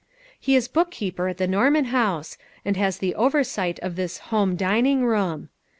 He is book keeper at the Norman House, and has the oversight of this Home Dining Room.